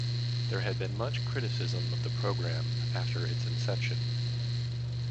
There had been much criticism of the program after its inception.